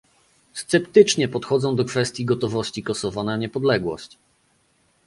Sceptycznie podchodzę do kwestii gotowości Kosowa na niepodległość